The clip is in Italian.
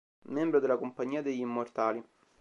Membro della Compagnia degli Immortali.